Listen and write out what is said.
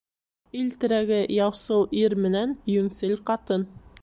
Ил терәге яусыл ир менән йүнсел ҡатын.